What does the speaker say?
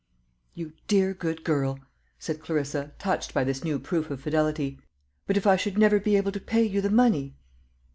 "You dear good girl!" said Clarissa, touched by this new proof of fidelity; "but if I should never be able to pay you the money!"